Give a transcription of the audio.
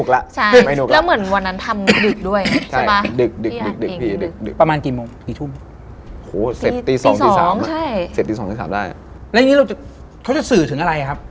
แล้วอย่างนี้เขาจะสื่อถึงอะไรครับ